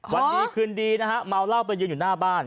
วันดีคืนดีนะฮะเมาเหล้าไปยืนอยู่หน้าบ้าน